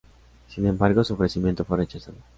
Sin embargo, su ofrecimiento fue rechazado.